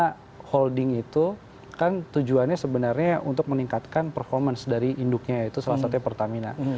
karena holding itu kan tujuannya sebenarnya untuk meningkatkan performance dari induknya yaitu salah satunya pertamina